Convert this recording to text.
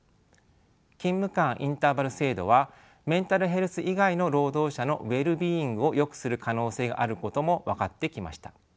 勤務間インターバル制度はメンタルヘルス以外の労働者のウェルビーイングをよくする可能性があることも分かってきました。